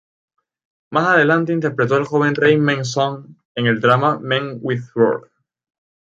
Más adelante, interpretó al joven rey Meng Zhang en el drama "Men with Sword".